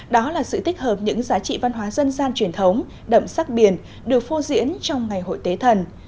đó là sự tích hợp những giá trị văn hóa dân gian truyền thống đậm sắc biển được phô diễn trong ngày hội tế thần